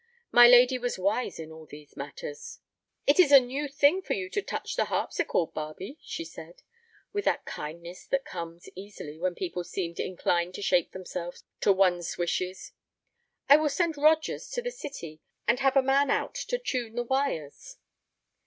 My lady was wise in all these matters. "It is a new thing for you to touch the harpsichord, Barbe," she said, with that kindness that comes easily when people seemed inclined to shape themselves to one's wishes. "I will send Rogers to the City and have a man out to tune the wires."